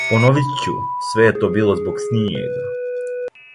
Поновит ћу: све је то било због снијега.